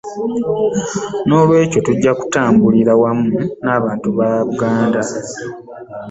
Noolwekyo tujja kutambulira wamu n'abantu ba Buganda